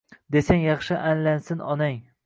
Desang yaxshi: «Aylansin onang…»